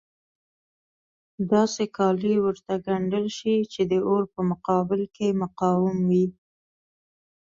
داسې کالي ورته ګنډل شي چې د اور په مقابل کې مقاوم وي.